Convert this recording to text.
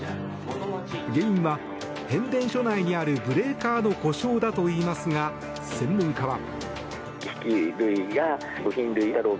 原因は変電所内にあるブレーカーの故障だといいますが専門家は。